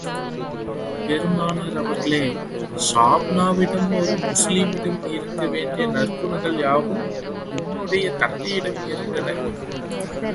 பெருமானார் அவர்கள் ஸஃப்பானாவிடம், ஒரு முஸ்லிமிடம் இருக்க வேண்டிய நற்குணங்கள் யாவும் உன்னுடைய தந்தையிடம் இருந்தன.